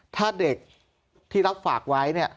ถ้าเด็กที่รับฝากไว้เนี่ย